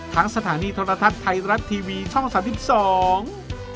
ทางสถานีทรทัศน์ไทยรัฐทีวีช่อง๓๒